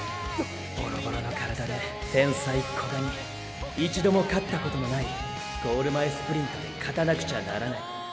ボロボロの体で天才古賀に一度も勝ったことのないゴール前スプリントで勝たなくちゃならない。